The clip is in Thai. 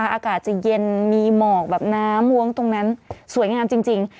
อากาศจะเย็นมีหมอกแบบน้ำม้วงตรงนั้นสวยงามจริง